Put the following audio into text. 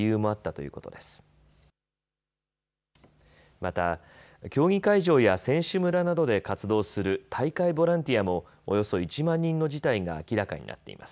また競技会場や選手村などで活動する大会ボランティアもおよそ１万人の辞退が明らかになっています。